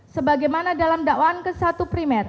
sebagaimana dalam dakwaan ke satu primer